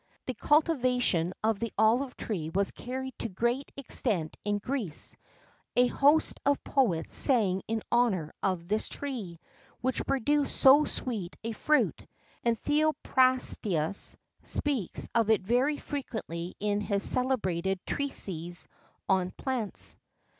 [XII 23] The cultivation of the olive tree was carried to a great extent in Greece; a host of poets sang in honour of this tree,[XII 24] which produced so sweet a fruit; and Theophrastus speaks of it very frequently in his celebrated treatise on plants.